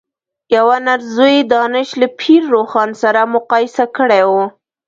یوه نر ځوی دانش له پير روښان سره مقايسه کړی و.